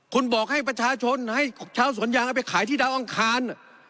คุณบอกให้ประชาชนให้ชาวสวนยางเอาไปขายที่ดาวอังคาร